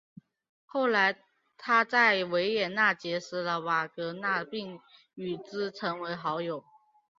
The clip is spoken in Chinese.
后来他在维也纳结识了瓦格纳并与之成为好友。